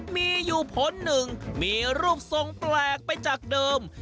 มีอยู่ผลหนึ่งมีรูปทรงแปลกไปจากเดิม